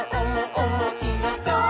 おもしろそう！」